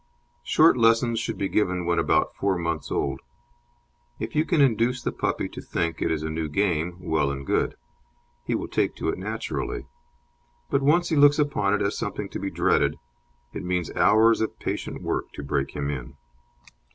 Short lessons should be given when about four months old. If you can induce the puppy to think it is a new game, well and good he will take to it naturally; but once he looks upon it as something to be dreaded, it means hours of patient work to break him in.